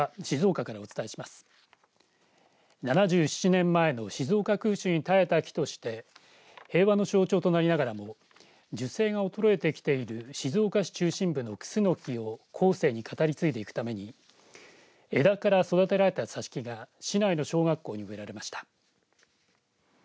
７７年前の静岡空襲に耐えた木として平和の象徴となりながらも樹勢が衰えてきている静岡市中心部のクスノキを後世に語り継いでいくために枝から育てられた挿し木が市内の小学校に植えられました。